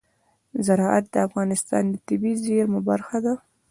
زراعت د افغانستان د طبیعي زیرمو برخه ده.